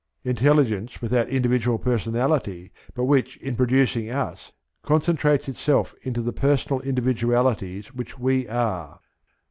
Intelligence without individual personality, but which, in producing us, concentrates itself into the personal individualities which we are.